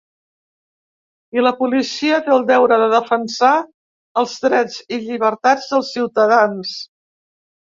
I la policia té el deure de defensar els drets i llibertats dels ciutadans.